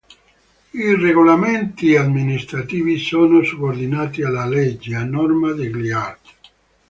I regolamenti amministrativi sono subordinati alla legge, a norma degli artt.